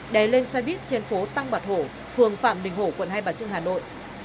đè lên xoay bít trên phố tăng bạch hổ phường phạm bình hổ quận hai bà trưng hà nội